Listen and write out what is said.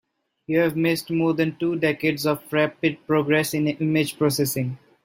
You have missed more than two decades of rapid progress in image processing.